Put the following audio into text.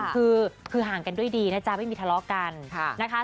คือห่างกันด้วยดีนะจ๊ะไม่มีทะเลาะกันนะคะ